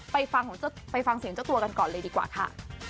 ไปฟังเสียงเจ้าตัวกันก่อนเลยดีกว่าค่ะ